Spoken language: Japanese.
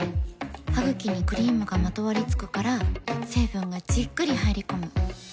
ハグキにクリームがまとわりつくから成分がじっくり入り込む。